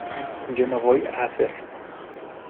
yo no voy a ser